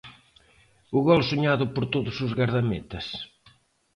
O gol soñado por todos os gardametas.